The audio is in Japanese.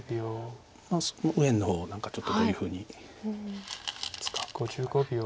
右辺の方を何かちょっとどういうふうに使うか。